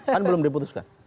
kan belum diputuskan